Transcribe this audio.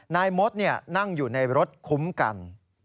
นายมดนั่งอยู่ในรถคุ้มกัน